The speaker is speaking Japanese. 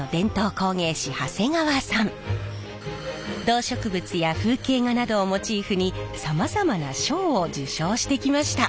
動植物や風景画などをモチーフにさまざまな賞を受賞してきました。